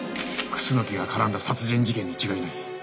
楠木が絡んだ殺人事件に違いない。